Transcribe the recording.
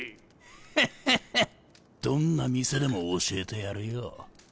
ヘッヘッヘッどんな店でも教えてやるよ。